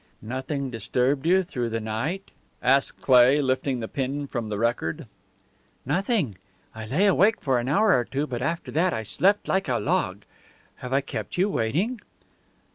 "Nothing disturbed you through the night?" asked Cleigh, lifting the pin from the record. "Nothing. I lay awake for an hour or two, but after that I slept like a log. Have I kept you waiting?"